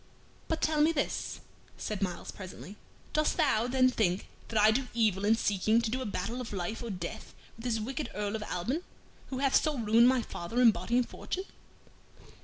"But tell me this," said Myles, presently, "dost thou, then, think that I do evil in seeking to do a battle of life or death with this wicked Earl of Alban, who hath so ruined my father in body and fortune?"